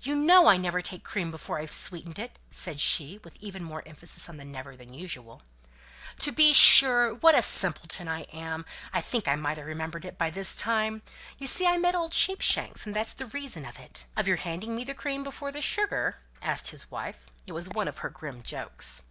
"You know I never take cream before I've sweetened it," said she, with even more emphasis on the "never" than usual. "Oh, dear! What a simpleton I am! I think I might have remembered it by this time. You see I met old Sheepshanks, and that's the reason of it." "Of your handing me the cream before the sugar?" asked his wife. It was one of her grim jokes.